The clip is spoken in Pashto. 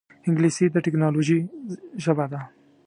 انګلیسي د ټکنالوجۍ ژبه ده